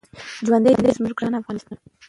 ژوندی دې وي زموږ ګران افغانستان.